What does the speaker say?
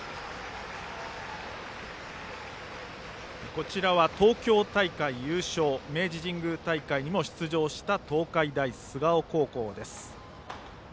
こちらは東京大会優勝明治神宮大会にも出場した東海大菅生高校です。